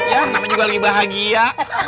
ya nanti juga lagi bahagia